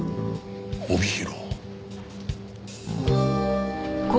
「帯広」